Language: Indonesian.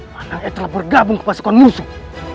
mana dia telah bergabung ke pasukan musuh